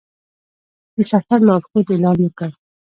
د سفر لارښود اعلان وکړ.